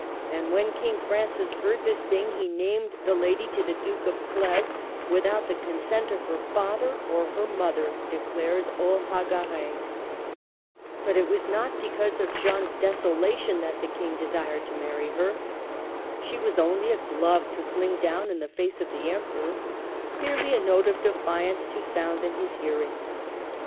And when King Francis heard this thing, he named the lady to the Duke of Cleves without the consent of her father or her mother," declares Olhagaray. But it was not because of Jeanne's desolation that the King desired to marry her. She was only a glove to fling down in the face of the Emperor, merely a note of defiance to sound in his hearing.